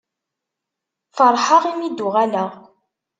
Feṛḥeɣ imi i d-uɣaleɣ.